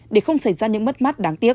để không xảy ra những mất mát đáng tiếc